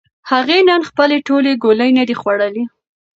هغې نن خپلې ټولې ګولۍ نه دي خوړلې.